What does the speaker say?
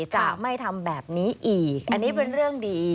จะไม่ทำแบบนี้อีกอันนี้เป็นเรื่องดี